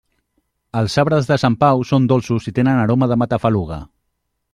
Els sabres de Sant Pau són dolços i tenen aroma de matafaluga.